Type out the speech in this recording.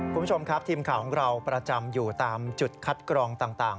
คุณผู้ชมครับทีมข่าวของเราประจำอยู่ตามจุดคัดกรองต่าง